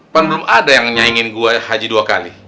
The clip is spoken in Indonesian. kan belum ada yang nyaingin gue haji dua kali